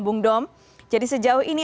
bung dom jadi sejauh ini